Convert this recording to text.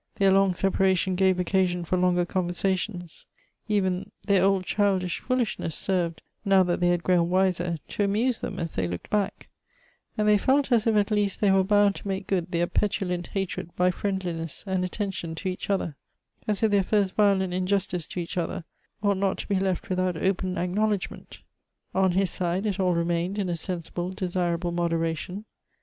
Their long separation gave occasion for longer conversations; even their old childish foolishness served, now that they had grown wiser, to amuse them as they looked back ; and they felt as if at least they were bound to make good their petulant hatred by friendliness and attention to each other — as if their first violent injustice to each other ought not to be left without open acknowledg ment. On his side it all remained in a sensible, desirable moderation.